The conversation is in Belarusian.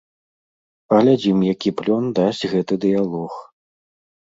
Паглядзім, які плён дасць гэты дыялог.